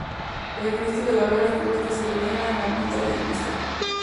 El Cristo de la Vera Cruz que se venera en la Ermita de Ntra.